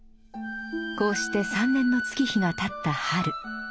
こうして３年の月日がたった春。